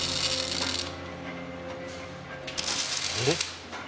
えっ！？